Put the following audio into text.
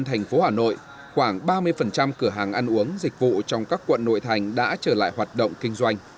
thành phố hà nội khoảng ba mươi cửa hàng ăn uống dịch vụ trong các quận nội thành đã trở lại hoạt động kinh doanh